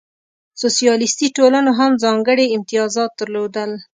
سوسیالیستي ټولنو هم ځانګړې امتیازات درلودل.